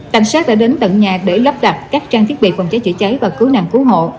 cảnh sát đã đến tận nhà để lắp đặt các trang thiết bị phòng cháy chữa cháy và cứu nạn cứu hộ